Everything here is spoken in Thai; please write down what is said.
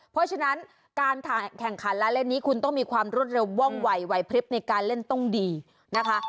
เพราะฉะนั้นการแข่งขันและเล่นนี้คุณต้องมีความรวดเร็วว่องไหวไหวพลิบในการเล่นต้องดีนะคะ